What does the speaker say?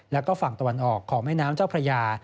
แล้วก็ฝั่งตะวันออกของแม่น้ำเจ้าพระยา